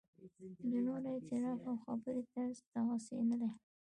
د نورو اعتراض او خبرې طرز دغسې نه دی.